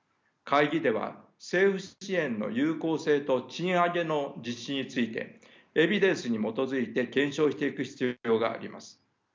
会議では政府支援の有効性と賃上げの実施についてエビデンスに基づいて検証していく必要があります。